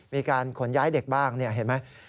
มีการขนย้ายเด็กบ้างเห็นไหม